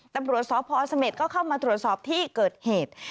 ตำรวจสพเสม็ดก็เข้ามาตรวจสอบที่เกิดเหตุ